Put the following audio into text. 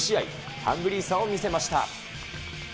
ハングリーさを見せました。